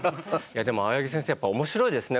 でも青柳先生やっぱ面白いですね